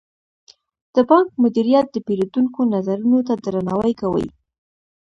د بانک مدیریت د پیرودونکو نظرونو ته درناوی کوي.